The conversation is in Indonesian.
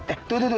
eh tuh tuh tuh